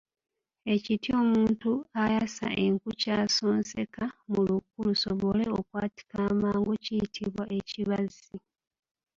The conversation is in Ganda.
Ekiti omuntu ayasa enku ky'asonseka mu luku lusobole okwatika amangu kiyitibwa ekibaazi.